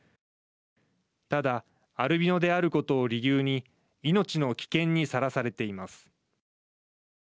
ただアルビノであることを理由に命の危険にさらされています。